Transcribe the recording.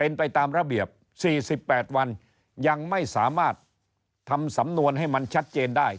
เป็นไปตามระเบียบ๔๘วันยังไม่สามารถทำสำนวนให้มันชัดเจนได้